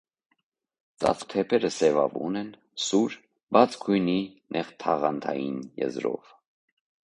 Ծածկող թեփերը սևավուն են, սուր, բաց գույնի նեղթաղանթային եզրով։